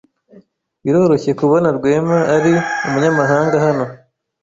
Biroroshye kubona Rwema ari umunyamahanga hano.